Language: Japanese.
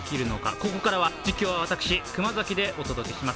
ここからは実況は私、熊崎でお届けします。